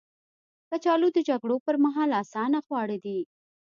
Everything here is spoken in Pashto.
کچالو د جګړو پر مهال اسانه خواړه دي